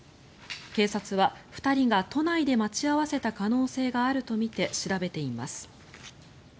警察は２人が都内で待ち合わせた可能性があるとみて調べています。